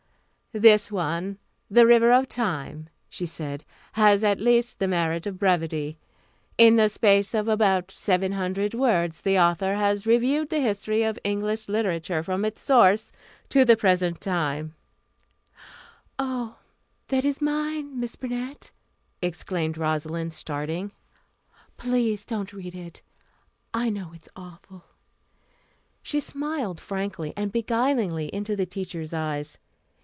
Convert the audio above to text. "This one, The River of Time," she said, "has at least the merit of brevity. In the space of about seven hundred words the author has reviewed the history of English literature from its source to the present time " "Oh, that is mine, Miss Burnett," exclaimed Rosalind, starting. "Please don't read it. I know it's awful." She smiled frankly and beguilingly into the teacher's eyes.